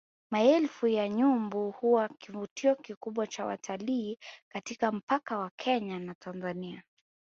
Maelfu ya nyumbu huwa kivutio kikubwa cha watalii katika mpaka wa Kenya na Tanzania